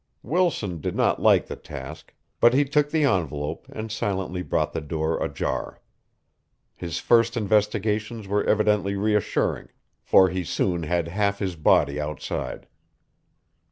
Wilson did not like the task, but he took the envelope and silently brought the door ajar. His first investigations were evidently reassuring, for he soon had half his body outside.